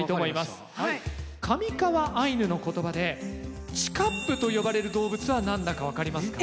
上川アイヌの言葉で「チカップ」と呼ばれる動物は何だか分かりますか？